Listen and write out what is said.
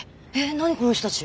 何この人たち。